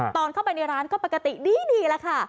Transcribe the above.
ตอนเข้าไปในร้านก็ปกติดีแล้วค่ะ